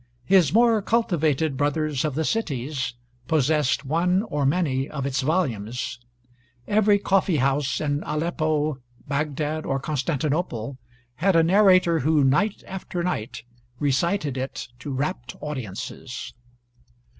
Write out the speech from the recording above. His more cultivated brothers of the cities possessed one or many of its volumes. Every coffee house in Aleppo, Bagdad, or Constantinople had a narrator who, night after night, recited it to rapt audiences.